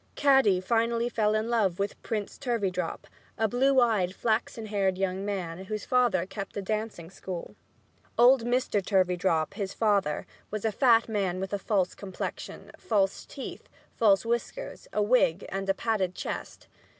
Caddy finally fell in love with Prince Turveydrop, a blue eyed, flaxen haired young man whose father kept a dancing school. Old Mr. Turveydrop, his father, was a fat man with a false complexion, false teeth, false whiskers, a wig and a padded chest.